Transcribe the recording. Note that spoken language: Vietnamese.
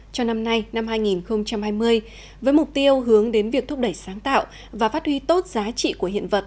cho năm nay năm hai nghìn hai mươi với mục tiêu hướng đến việc thúc đẩy sáng tạo và phát huy tốt giá trị của hiện vật